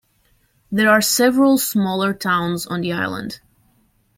There are several smaller towns on the island.